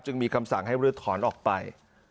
จึงมีคำสั่งให้ลื้อถอนออกไป